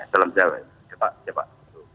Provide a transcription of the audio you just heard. salam sehat pak